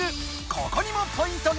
ここにもポイントが！